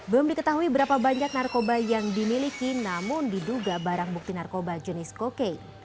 belum diketahui berapa banyak narkoba yang dimiliki namun diduga barang bukti narkoba jenis kokain